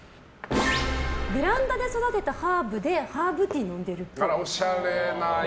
ベランダで育てたハーブでハーブティー飲んでるっぽい。